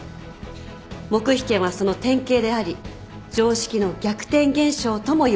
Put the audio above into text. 黙秘権はその典型であり常識の逆転現象ともいわれている。